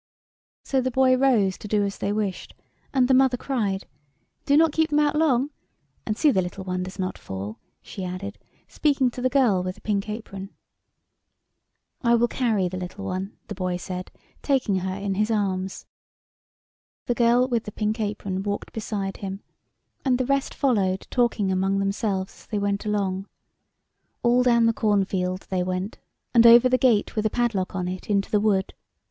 So the boy rose to do as they wished, and the mother cried "Do not keep them out long; and see the little one does not fall," she added, speaking to the girl with the pink apron. " I will carry the little one," the boy said, taking in.] ROUND THE RABBIT HOLES. 53 her in his arms. The girl with the pink apron walked beside him, and the rest followed, talking among themselves as they went along. All down the cornfield they went, and over the gate with the padlock on it into the wood.